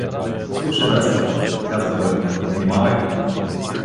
— Слушай, даскале — каза той, — внимавай!